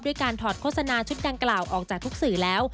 การถอดโฆษณาชุดดังกล่าวออกจากทุกสื่อแล้ว